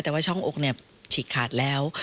แต่ว่าช่องอกเนี่ยฉีกขาดแล้ว